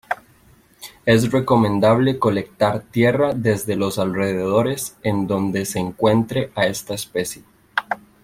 Es recomendable colectar tierra desde los alrededores en donde se encuentre a esta especie.